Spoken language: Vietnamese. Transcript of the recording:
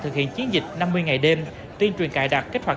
thực hiện chiến dịch năm mươi ngày đêm tuyên truyền cài đặt kích hoạt